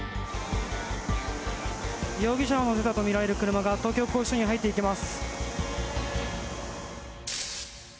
容疑者を乗せたとみられる車が東京拘置所に入っていきます。